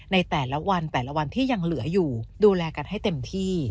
ในแต่ละวันแต่ละวันที่ยังเหลืออยู่ดูแลกันให้เต็มที่